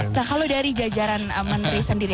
nah kalau dari jajaran menteri sendiri